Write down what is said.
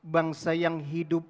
bangsa yang hidup